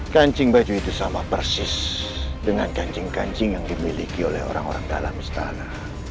kancing baju itu sama persis dengan kancing kancing yang dimiliki oleh orang orang dalam istana